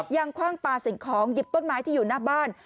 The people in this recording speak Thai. คว่างปลาสิ่งของหยิบต้นไม้ที่อยู่หน้าบ้าน